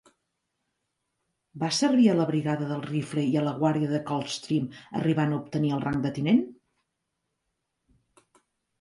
Va servir a la Brigada del Rifle i a la Guàrdia de Coldstream, arribant a obtenir el rang de tinent.